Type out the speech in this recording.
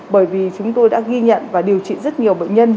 bởi vì chúng tôi đã ghi nhận và điều trị rất nhiều bệnh nhân